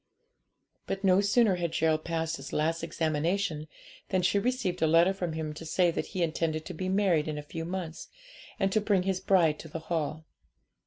But no sooner had Gerald passed his last examination than she received a letter from him to say that he intended to be married in a few months, and to bring his bride to the Hall.